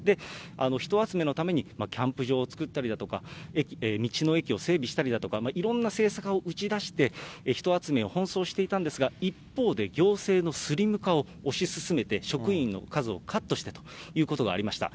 人集めのためにキャンプ場を作ったりだとか、道の駅を整備したりだとか、いろんな政策を打ち出して、人集めを奔走していたんですが、一方で行政のスリム化を推し進めて、職員の数をカットしてということがありました。